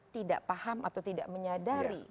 tidak paham atau tidak menyadari